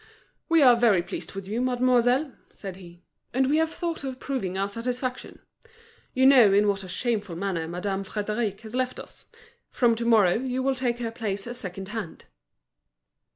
"We are very pleased with you, mademoiselle," said he, "and we have thought of proving our satisfaction. You know in what a shameful manner Madame Frédéric has left us. From to morrow you will take her place as second hand."